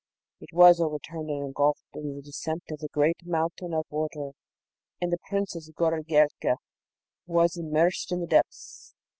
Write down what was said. it was overturned and engulfed in the descent of the great mountain of water, and the Princess Goorelka was immersed in the depths.